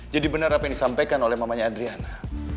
jadi bener apa yang disampaikan oleh mamanya adriana